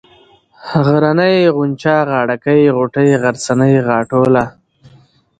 غرنۍ ، غونچه ، غاړه كۍ ، غوټۍ ، غرڅنۍ ، غاټوله